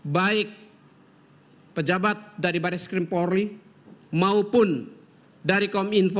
baik pejabat dari baris krimpori maupun dari kominfo